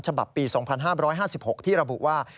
ฉบับปี๒๕๕๖ที่ระบุว่า